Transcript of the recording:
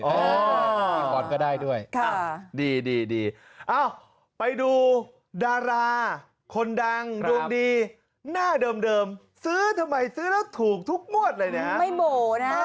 พี่บอลก็ได้ด้วยดีดีเอ้าไปดูดาราคนดังดวงดีหน้าเดิมซื้อทำไมซื้อแล้วถูกทุกงวดเลยนะฮะไม่โบนะฮะ